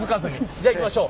じゃあいきましょう。